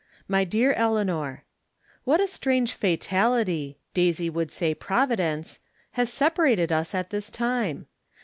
My Dear Eleanor : What a strange fatality — Daisy would say " providence "— has separated us at this time